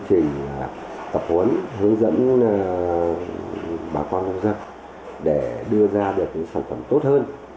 chúng tôi muốn hướng dẫn bà con nông dân để đưa ra được những sản phẩm tốt hơn